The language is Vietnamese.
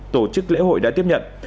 tổ chức lễ hội đã tiếp nhận